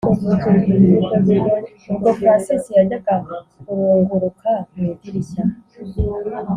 ubwo francis yajyaga kurunguruka mwidirisha